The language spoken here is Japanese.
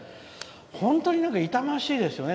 本当に痛ましいですよね。